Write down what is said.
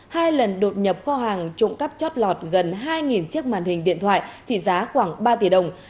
hai lần đột nhập kho hàng trụng cắp chót lọt gần hai chiếc màn hình điện thoại trị giá khoảng ba tỷ đồng